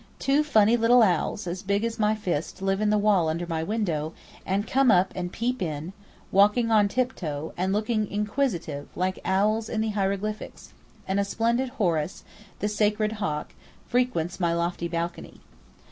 Two funny little owls as big as my fist live in the wall under my window, and come up and peep in, walking on tip toe, and looking inquisitive like the owls in the hieroglyphics; and a splendid horus (the sacred hawk) frequents my lofty balcony.